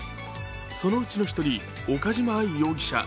そのうちの１人岡島愛容疑者